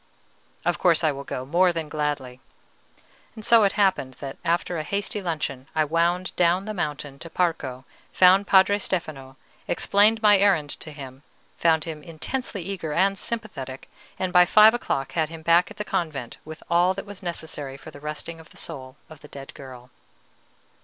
"Of course I will go, more than gladly." So it happened that after a hasty luncheon I wound down the mountain to Parco, found Padre Stefano, explained my errand to him, found him intensely eager and sympathetic, and by five o'clock had him back at the convent with all that was necessary for the resting of the soul of the dead girl.